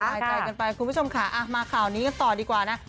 หายใจกันไปคุณผู้ชมค่ะมาข่าวนี้กันต่อดีกว่านะ